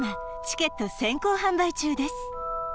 チケット先行販売中です